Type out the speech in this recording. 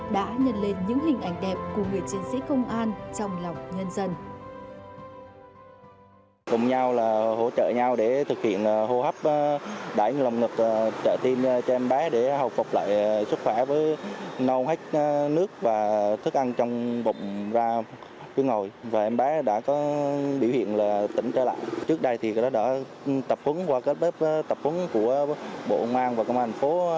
đã nhận lên những hình ảnh đẹp của người chiến sĩ công an